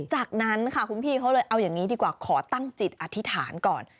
จากนั้นค่ะคุณพี่เขาเลยเอาอย่างนี้ดีกว่าขอตั้งจิตอธิษฐานก่อน